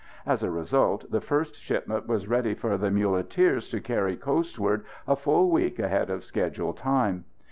As a result, the first shipment was ready for the muleteers to carry coastward a full week ahead of schedule time.